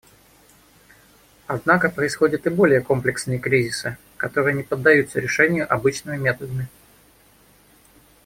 Однако происходят и более комплексные кризисы, которые не поддаются решению обычными методами.